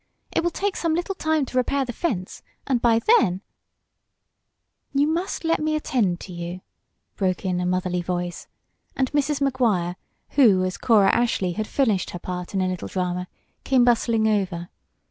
It will take some little time to repair the fence, and by then " "You must let me attend to you," broke in a motherly voice, and Mrs. Maguire, who, as Cora Ashleigh, had finished her part in a little drama, came bustling over.